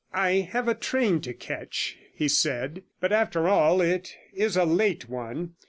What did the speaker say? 'I have a train to catch,' he said; 'but after all, it is a late one.